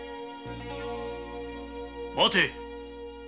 ・待て！